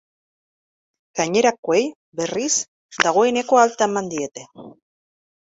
Gainerakoei, berriz, dagoeneko alta eman diete.